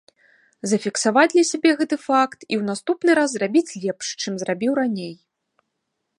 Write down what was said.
Зафіксаваць для сябе гэты факт і ў наступны раз зрабіць лепш, чым зрабіў раней.